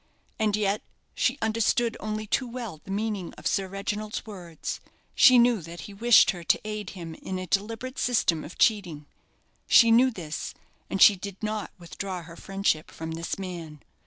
And yet she understood only too well the meaning of Sir Reginald's words. She knew that he wished her to aid him in a deliberate system of cheating. She knew this, and she did not withdraw her friendship from this man.